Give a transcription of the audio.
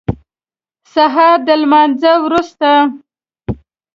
سهار د لمانځه وروسته.